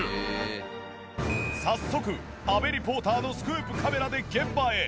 早速阿部リポーターのスクープカメラで現場へ。